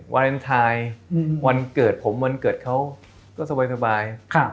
วาเลนไทยวันเกิดผมวันเกิดเขาก็สบาย